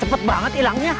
cepet banget hilangnya